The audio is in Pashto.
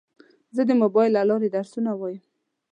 زه د موبایل له لارې درسونه وایم.